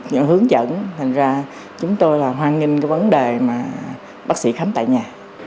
những hướng dẫn thành ra chúng tôi là hoan nghênh cái vấn đề mà bác sĩ khám tại nhà